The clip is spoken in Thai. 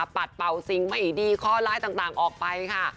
ปัดเป่าสิ่งไม่ดีข้อร้ายต่างออกไปค่ะ